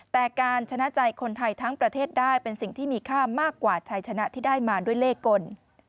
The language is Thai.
แต่การชนะใจคนไทยทั้งประเทศได้เป็นสิ่งที่มีค่ามากกว่าชัยชนะที่ได้มาด้วยเลขกล